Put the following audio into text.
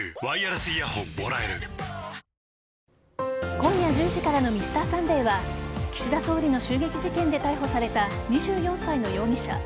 今夜１０時からの「Ｍｒ．サンデー」は岸田総理の襲撃事件で逮捕された２４歳の容疑者。